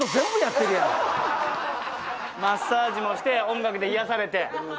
マッサージもして音楽で癒やされて。